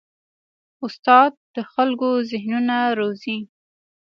استاد د خلکو ذهنونه روزي.